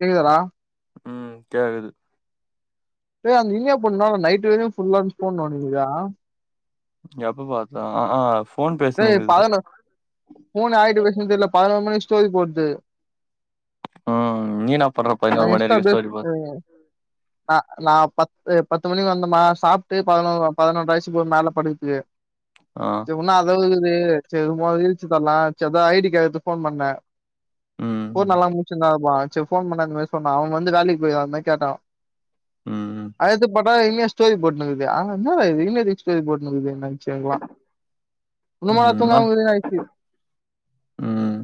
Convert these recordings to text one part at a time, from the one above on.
கேக்குதாடா ம் கேகுது ஏ அந்த இனியா பொண்ணு லா நாட்டு வரையு ஃபுல்லாவே ஃபோன் நோண்டிட்ருக்கா எப்பப் பாத்தா ஆஃப் சேர் பகன்னா போனு ஆயிட்டு பேசுதுன்தெல்ல பதினொரு மணிக்கு ஸ்டோரி போட்து ம் நீ என்ன பண்ற நா பதினோரு மணி இன்ஸ்ட்டா வரைக்கு பேஸ்சு ஸ்டோரி பாத்து நா நா பத்து பத்து மணிக்கு வந்தமா சாப்ட்டு பதினொ பதினொரு வயசுக்கு போய் மேல படுது ஆ ஆனா அதது செர்மா வீழ்ச்சு தர்லா சேர் அதா ஐடி கார்ட் எடுத்து போன் பண்ண ம் போ நல்லா முடிச்சிருந்தாப்பா செரி போன் பண்ண அ இந்த மரரி சொன்னா அவ வந்து வேலைக்கு போய்யான்னா கேட்டா ம் ம் அதலிருத்து பட் [unintelligible] இயர் ஸ்டோரி போட்னுக்குது ஆ என்னடா இது [unintelligible] ஸ்டோரி போட்னுக்குது [unintelligible] ம் ஆயிடுச்சு [unintelligible] ம்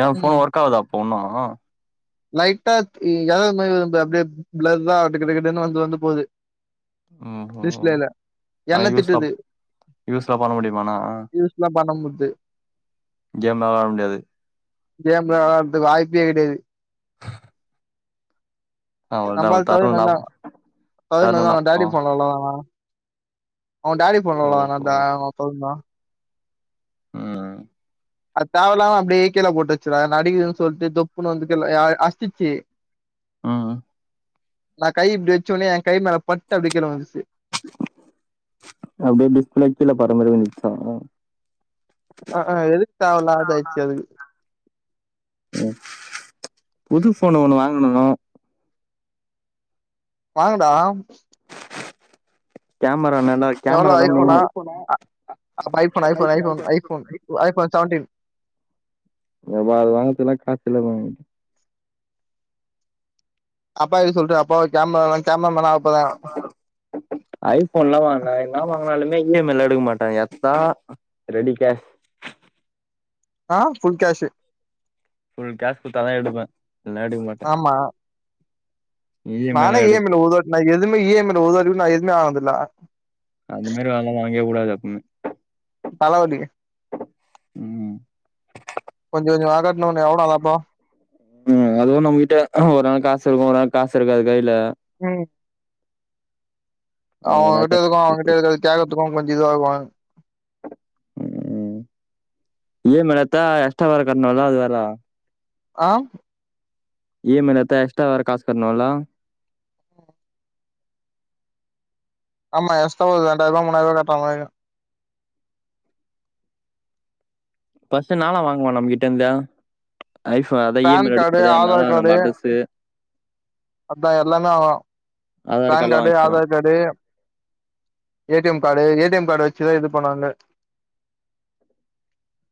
எ ம் போன் ஒர்க்காதா போண்ணா லைட்டா எ எதாவது [unintelligible] அப்டியே பிளர்ரா ககிடுகிடுகிடுனு வந்து வந்து போது ஓஹோ டிஸ்பிளேல ஆனா என்ன யூ ஸ் திட்டுது [unintelligible] யூ ஸ் ல பண்ண முடியுமா நானு யூஸ்லா பண்ண முட்து கேம்ல்லா வெளாட முடியாது கேம் வெளார்றதுகு வாய்ப்பே கிடியாது அவள்தா நம்பாள் தவிரின் தருண் வந்தா ஞாபகோ தவிரின் தருண் வந்தா அவுங்க ஞாபகோ டேடிகு ஃபோன் உள்ளதானா அவே டேடி ஃபோன்ல ஓஹோ [unintelligible] ம் அத் தேவலாம அப்டியேக் கீழ போட்டு வெச்சிறாக நடிகிதுன் சொல்ட்டு தொப்புனு வந்து கீழ ய அ அச்சிச்சி ம் ம் நா கை இப்டி வெச்ச ஒன்னி எங் கை மேல பட்டு அப்டி கீழ வுழுந்துசி அப்டியே [unintelligible] போற மாரி வந்துச்சா அ ஆ எதுக் ம் புது ஃபோனு ஒன்னு வாங்குணு வாங்குடா கேமரா நல்லாக் எவ்ளோ கேமராதா ஐஃபோனா மெயினு அப்ப iPhone iPhone iPhone iPhone iPhone seventeen எபா அது வாங்கத்துலா காசு இல்லபா அப்பா எடுக் சொல்ட்டு அப்பவா கேம்மராதாங் கேம்மரா மேனா ஆகப் பாப்பா ஐ ஃபோன்லா வாங்னா என்னா வாங்னாலுமே இ எம் ஐ ல எடுக்க மாட்டே எத்தா ரெடி கேஷ் ஆ ஃபுல் கேஷு ஃபுல் கேஸ் குத்தாதா எடுபே இல்னா எடுக மாட் ஆமா இ லா நானே இ எடு எம் ஐ ல ஒதாட் ந எதுமே இ எம் ஐ ல ஒதாட்டி கூட ந எதுவுே ஆனதில்ல அந்த மேரி வாங்ல வாங்வே கூடாது அப்புன்னு தலவலி ம் கொஞ்சோ கொஞ்சமா கட்ணு ஒன்னு எவ்ளடா தாப்பா ம் அதுவு நம்ம கிட்ட ஒரு நா காசு இருகு ஒரு நா காசு இருகாது கைல ம் ம் அவேங் கிட்ட இதுகு அவேங் கிட்ட இருகது கேகத்துகு அவுங் கொஞ்சோ இதுவாகு ம் இ எம் ஐ ல எத்தா எஸ்ட்டா வேற கட்னுல்லா அது வேறா ஆ இ எம் ஐ ல எத்தா எஸ்டா வேற காச் கட்னுல்லா ஆமா எஸ்டா ஒரு ரெண்டாயர்வா மூனாயர்வா கட்றா [unintelligible] ஃபஸ்டு நாளா வாங்வா நம்கிட்டந்து ஐ ஃபோ அதா இ எம் ஐ பேன் ல கார்டு எடுக்மோது அன்னாலா ஆதார் கார்டு நம்ம அட்ரஸு அதா எல்லாமே [unintelligible] ஆதார் பேன் கார்ட்லா கார்டு வாங்கிப்பே நா Aadhaar card A T M card A T M card வெச்சுதா இதுப் பண்ணானே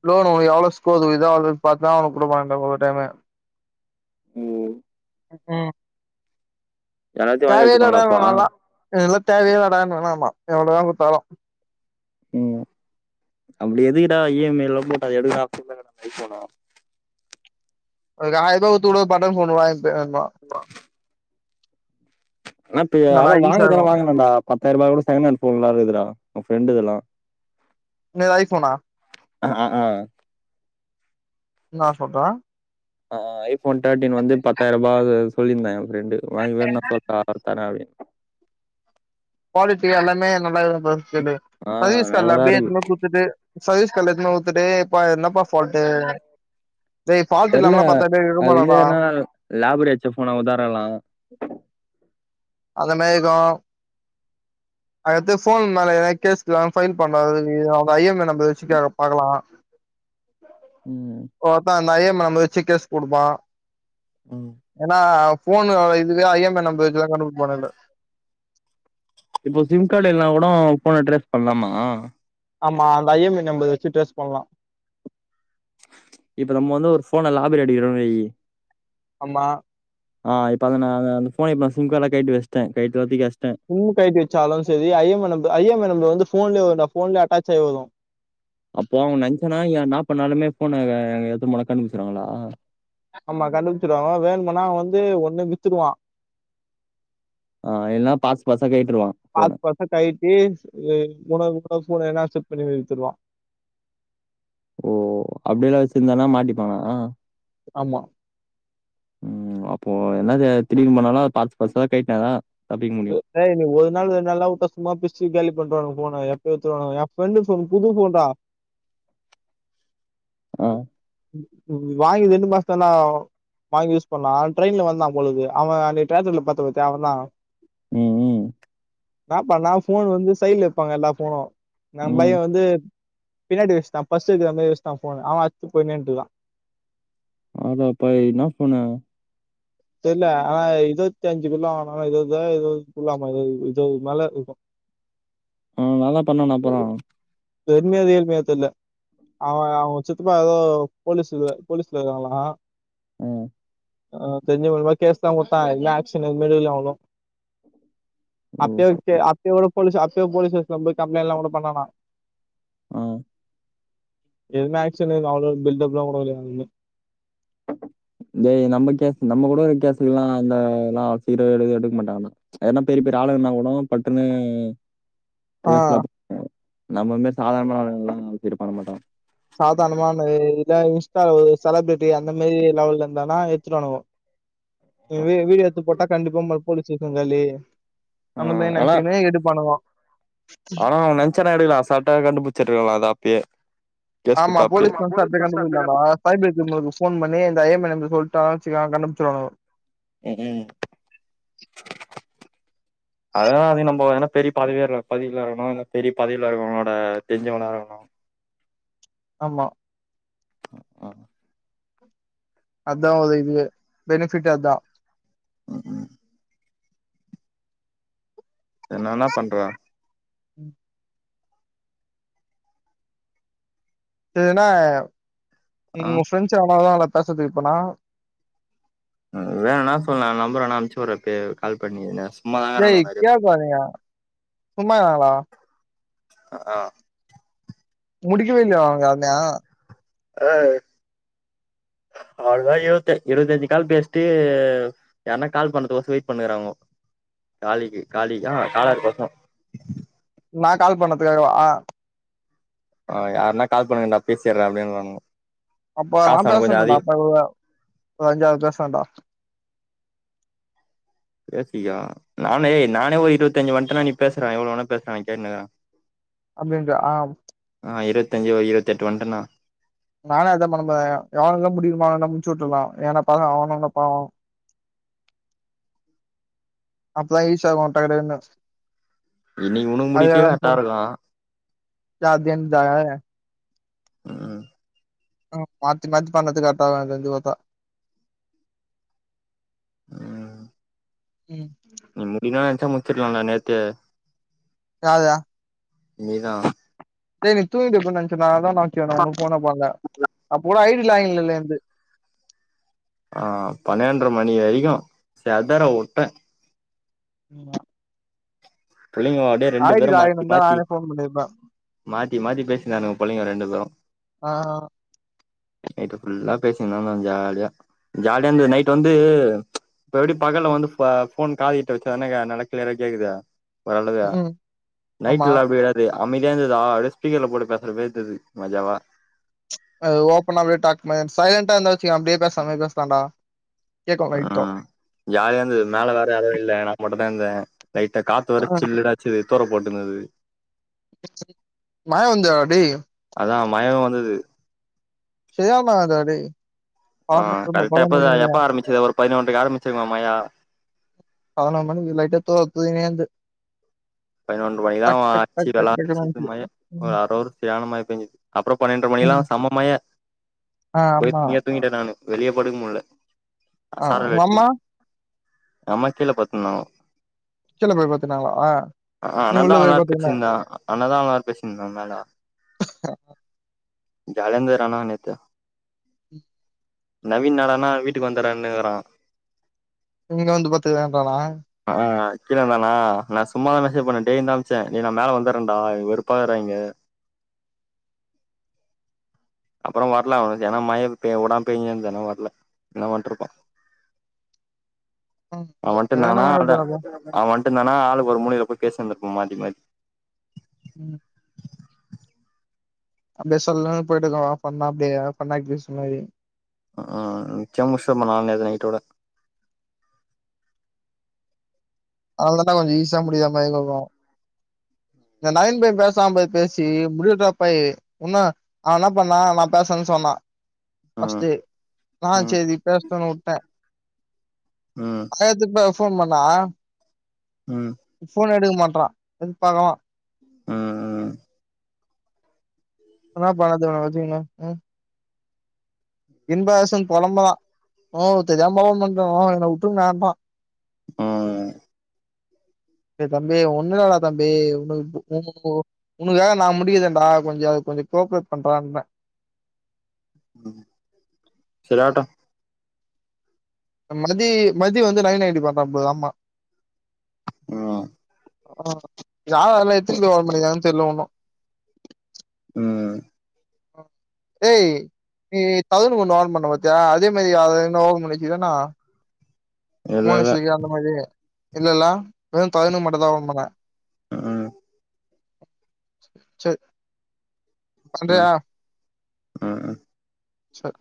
லோனு உனுகு எவ்ளோ ஸ்கோகு [unintelligible] ஒரு டைமு ம் ம் ம் எல்லாத்தையு வாங்கி தேவயே இலடானுவே வச்சுப்பாங்களாப்பா நாளா எனுகுலாத் தேவயே இலடானுவே நாளா எவ்ளதாங் குத்தாலு ம் அப்டி எதுகிடா இ எம் ஐ ல போட்டு [unintelligible] [unintelligible] குத்து கூட ஒரு பட்டன் ஃபோனு [unintelligible] [unintelligible] ஆப்ப ஏ நல்லா அதா யூஸ் [unintelligible] ஆகும் வாங்கனுண்டா பத்தாயிரபா கூட செகனண்ட் ஃபோன்லா இருகுதுடா உ ஃப்ரெண்டுதுலா இன்னது ஐ ஃபோனா ஆ ஆ ஆ இன்னா சொல்றே ஆ ஐபோன் தேர்ட்டின் வந்து பத்தாயிரம் ரூபா சொல்லிருந்தா எய ஃப்ரெண்டு உனக்கு வேணுன்னா சொல்லுட்டா தர அப்டின்னு குவாலிட்டி எல்லாமே நல்லா இருக்கான்னு ஃபர்ஸ்ட் கேளு ஆ சர்வீஸ் கடைல நல்லதா அப்டியே இருக்கு எடுத்துப்போய் குடுத்துட்டு சர்வீஸ் கடையில எடுத்துன்ட்டு போய் குத்துட்டு யாப்பா இது என்னப்பா ஃபால்டு டேய் ஃபால்ட் இல்லாமல்லா பாத்துட்டு இருமான தா லேப்லரி அடிச்ச போனா உத்தரலா அந்த மாதிரி தா அத எடுத்து போன் மேல எதனா கேஸ் இருக்கா ஃபைல் பண்ணாதது அவங்க ஐ எம் ஐ நம்பர் வச்சு பாக்கலா ம் ஒவ்வொருத்த அந்த ஐ எம் ஐ நம்பர் வச்சு கேஸ் கொடுப்பா ம் ஏன்னா போன் இதுவே ஐ எம் ஐ நம்பர் வச்சி தா கண்டுபிடிப்பாங்களே இப்போ சிம் கார்டு இல்லன்னா கூட போன்னா டேரேஸ் பண்ணலாமா ஆமா அந்த ஐ எம் ஐ நம்பர் வச்சு டேரேஸ் பண்ணலா இப்போ நம்ம வந்து ஒரு போனை ராபரி அடிக்கோரம்னு வை ஆமா ஆ இப்ப அத நா அந்த போனே இப்ப சிம் கார்டலா கலட்டி வச்சிட கலட்டி தூக்கி வச்சிட சிம் கலட்டி வச்சாலு சரி I M I I M I number வந்து போன்லேயே வரும் போன்லே அட்டச்சயி வரு அப்போ அவங்க நினைசன்னா என்னா பண்ணாலுமே போனா அ எடுத்துட்டு போன கண்டுபிடிச்சிடுவாங்களா ஆமா கண்டுபிச்சுடுவாங்க வேணும்னா வந்து ஒண்ணு வித்துடுவா ஆ எல்லா பார்ட்ஸ் பார்ட்ஸா கழட்டுருவா போன பார்ட்ஸ் பார்ட்ஸா கழட்டி [unintelligible] செட் பண்ணி வித்துடுவா ஓ அப்டியெல்லா வச்சிருந்தானா மாட்டிப்பானா ஆமா ம் அப்போ என்னத திருட்டிட்டு பண்ணாலு பார்ட் பார்ட்ஸா கழட்டுனாதா அப்படிங்கு ஏ நீ ஒரு நாள் ரெண்டு நாள்லா வுட்ட சும்மா பிரிச்சு காலி பண்ற்றவாங்க போன எப்டியு எடுத்துடுவாங்க எய ஃப்ரெண்டு புது போன் டா ஆ வாங்கித ரெண்டு மாசம்தா ஆவு வாங்கி யூஸ் பண்ணா ட்ரெயின்ல வந்தா பொழுது அவ அந்த டிராக்ல பாத்த பத்தியா அவ தா ம் ம் அப்ப நா போன் வந்து சைட்ல வைப்பாங்க எல்லா போனும் நா பைய ம். வந்து பின்னடி வச்சிடா பர்ஸ் வக்கிற மாதிரி வச்சுடா போன அவ அத்து போயின்ட்டே இருந்துடா ஆமா இப்ப என்ன போன்னு தெரில ஆனா இருபத்தி அஞ்சு குள்ள வாங்குன்னா ஏதுதான் ஏதாவது குள்ளாம ஏதாவது இருபது மேல இருக்கும் ஆ என்னதா பண்ணுன்னா அப்பற ரெட்மியா ரியல்மியான்னு தெர்ல அவ அவங்க சித்தப்பா ஏதோ போலீஸ்ல போலீஸ்ல இருங்கலா ம் அ தெரிஞ்சங்க முலியம்மா கேஸ் தா கொடுத்தா இ ஆக்ஷ்ன்னு எதுமே எடுக்கல அவங்களு ஓ! அப்ப அப்பயே போலீஸ் அப்பயோ போலீஸ் போ் கம்ப்ளைண்ட் எல்லா கூட பண்ணனா ம் எதுமே ஆக்ஷன் எடுக்கல்ல [unintelligible] பில்டப் எல்லாம் குடுக்கல எதுமே டேய் நம்ம கேஸ் நம்ம குடுக்குற கேசுக்கல்லா அந்த எல்லா அவ்ளோ சீக்கிரல்லா எடுக்க மாட்டாங்கடா என்னா பெரிய பேர் பெரிய ஆளுங்க ஆளுங்க இருந்தா கூட பட்டுன்னு ஆ கேசலா பண்ண நம்மல்ல மாதிரி சாதாரண ஆளுள்ளா இது பண்ண மாட்டாங்க சாதாரணமான இல்ல இன்ஸ்டா உள்ள செலபிரிட்டி அந்த மாதிரி லெவல்ல இருந்தானா எடுத்துட்டு வானுவங்க நீ வீ வீடியோ எடுத்து போட்டா கண்டிப்பா போலீஸ் ஸ்டேஷன் காலி ஆ அந்த மாரி ஆனா நென்ச்சுக்னே எடுப்பானுகோ ஆனா அவ நென்ச்சான்னா எடுக்கலா அசால்ட்டா கண்டுபிச்சிருக்கலா அத அப்பயே கேஸ் ஆமா குடுத்து அப்பயே போலீஸ் நென்ச்சா அப்பயே கண்டு புடிக்லாண்டா சைபர் க்ரைம்க்கு ஃபோன் பண்ணி இந்த ஐ எம் இ நம்பர் சொல்ட்டா ச்க்கோ கண்டுபுச்சிருவாங்கோ ம் ம் [inaudible] அதானா அது நம்ம எனா பெரிய பதிவேயே பதவில இருக்கணு ஏனா பெரிய பதவில இருக்கவனோட தெரிஞ்சவனா இருக்ணு ஆம்மா ம் ம் அதா ஒரு இதுவே பெனிஃபிட் அதா ம் ம் என்ன என்ன பண்ற ம் [unintelligible] ஆ உங்க ஃப்ரெண்ட்ஸ் எவனவுதா அங்க பேசதுக்கு இருப்பானா ம் வேணுனா சொல்லு நா நம்பர் வேணா அனுப்பிச்சி விர்றே இப்பயே கால் பண்ணி என டேய் கே [unintelligible] சும்மாருக்காங்ளா அ ஆ முடிக்கவே இல்லையா அவுனுக அத ஆ அதா யோசிச்சே இருவத்தஞ்சு கால் பேஸ்ட்டு எனக்கு கால் பண்ணறதுக்கொச வெயிட் பண்ணுக்றோங்க காலீக்கு காலீ ஆஹே காலர்க்கு கொஸ்ரோ நா கால் பண்ணதுக்காக வா ஆ யார்னா கால் பண்ணுங்க நா பேசிர்றே அப்படின்றாங்கோ அப்ப நா பேசறன்டா [unintelligible] ஒரு அஞ்சாறு பேசறன்டா பேசிக்கோ நானே ஏ நானே ஒரு இருவத்தஞ்சு வன்ட்டனா நீ பேசுறா எவ்ளோ வேணா பேசுடா நா கேட்னுக்றே அப்டின்ற ஆம் ஆ இருவத்தஞ்சு ஒரு இருவத்தெட்டு வன்ட்டனா நானா அதா பண்ண போறே யாரெல்லா முடிக்ணுமே அவ்ங்ள முட்சுட்றல்லா ஏன்னா பசங்க அவுனுகளு பாவோ அப்பதா ஈஸியாக்கு டக் டக்னு இன்னைக்கு உனக்கு முடிக்கவே கர்ட்ட்டா இருக்கு இது அது என்தா ம் ம் ஆ மாத்தி மாத்தி பண்ணதுக்கு கரெக்டா [unintelligible] செஞ்சு பாத்தா ம் ம் நீ முடிக்ணு நென்ச்சா முட்ச்சுருக்லாண்டா நேத்தே யார்ரா நீதா டேய் நீ தூங்கிட்டுப்ப நென்ச்சன்டா அதான்டா முக்கியோ ஒன்னு ஃபோனே பண்ல அப்போ கூட ஐ டி லாகின்ல இல்ல என்து ஆ பன்னெண்ற மணி வரைக்கு செதர வுட்டே ஆம்மா புள்ளைங்க அப்டியே ரெண்டு ஐ டி பேரு லாகின் மாத்தி இந்தா மாத்தி நானே ஃபோன் பண்ணிருப்பே மாத்தி மாத்தி பேசிந்தானுக புள்ளைக ரெண்டு பேரு ஆ நைட்டு ஃபுல்லா பேசிட்னுந்தா இந்தோ ஜாலியா ஜாலியா இந்தது நை ட்டு வந்து இப்ப எப்படி பகல்ல வந்து ஃபா போன் காதுகிட்ட வச்சோன்னே க்க நல்லா களியறா கேக்குது ஓரளவு ம் நைட் ஆமா எல்லா அப்படி எதா து அமைதியா இருந்துதா அப்டியே ஸ்பீக்கர்ல போட்டு பேசுற மார் தெரிது மஜாவா அது ஓப்பனாவே டாக் மார் சைலண்டா இருந்தாச்சுகவே அப்படியே பேசாமா பேசான்டா கேக்கு லைட்டா ஜாலியாந்தது மேல வேற யாரு இல்ல நா மட்டுந்தா இந்த லைட்ட காத்து வரச் சில்லுன்ன ச துரப்போட்டுந்தது மாய வந்து அடேய் அதா மய வந்தது சயாமாங்கடேய் ஆ கரெக்டா எப்ப எப்ப ஆரம்பிச்சது ஒரு பதினொன்றைக்கு ஆரம்பிச்சிருங்கமையா பதுனொ மணி லைடா தோ தூரின்னே அந்து பதினொன்று மணிதா ஆச்சு டக் வெளா டக் டக்னு ச்சுட்டு வந்துச்சு மய ஒரு ம் அரவரு சய்யான மழ பேஞ்சது அப்புறோ பன்னெண்டர மணியெல்லா ம் சம மய்ய ஆ போய் ஆமா தன்யா தூங்கிட்ட நானு வெளியே படுக் முல்ல அ ஆ சாரல் உங்க லட்டி அம்மா அம்மா கீழே பத்துந்தாங்கோ கீழ போய் பத்துனாங்களா ஆ அனால்தா அவ்ள பேசிந்த ஆனா தா அவ்ளா பேசிருந்தே மேல ஜாலியா ந்துதடா ஆனா நேத்து [inaudible] நவீன் ன்னடானா வீட்டுக் வந்துறேன்னுக்குறா இங்க வந்து பத்துக்கறன்டிரான்னா ஆ கீழ இருந்தானா நா சும்மாதா மசேஜ் பண்ண டேய்யின் தா அம்ச்சே நீ நா மேல வந்தற்றன்டா வெறுப்பாறா இங்க அப்பறோ வர்ல ஏன்னா மய உடாம் பெய்ங்கன்தது அனால வர்ல என்ன வண்ட்ருப்பா [inaudible] அவ சரியான வந்ட்டுந்தானா மழ அ வருதுடா அப்போ அவ வந்ட்டுந்தானா ஆளுக்கு ஒரு மூலைலப் போய் பேஸ் இந்துருப்போ மாத்தி மார் ம் அப்வே சொல்லன் போயிட்டுக்கோ வா சொன்னா அப்படியே சொன்னா ப்படி சொன்ன மாரி ஆ ச்சம் முஷா மாங் நேத் நைட்டோட அவ்ளதாம்பா கொஞ்ச ஈஸ்சா முடியாம [unintelligible] இந்த நயன் பைய பேசாம் போய் பேசி முடிவெட்றப்பை உன்னு அவ என்ன பண்ணா நா பேசேன் சொன்னா பஸ்ட் ம் டே நா ம் சேரி பேசஸ்னுன் உட்டே ம் ஆயத்துப் பேசோன்ம்மண்ணா ம் போன் எடுக்க மாட்றா [inaudible] பாக்கலா ம் என்னா பண்ணது இவன வச்சுக்குன்னு ம் இன்பசன் பொழம்பறா ஓ தெரியாம் போவ் பண்ற என்ன உட்ருங்கடா ம் டே தம்பி ஒன்னு இல்லடா தம்பி உ உ உனக்காக நான முடிக்கதண்டா கொச அதுக் கொஞ்ச கோப்ரட் பண்றான்றே சேரி ஆவ்டு மதி மதி வந்து நைன் நைன்ட்டி பாத்தா போ ஆம்மா ம் ஆ யா அதல்லா எத்திணி போய் வர தெரியில உண்ணு ம் அ ஏய் நீ தகுட் கொஞ்சொ ஆன் பண்ண பத்தியா அதே மாரி அத என்ன ஓபன் பண்ணிச்சுதன்னா இல்ல இல்ல மோனஷ்க்கு அந்த மாரி இல்லல்ல வேல் தயன மட்டு தா [unintelligible] ம் செர் ம் பண்றியா ம் செர்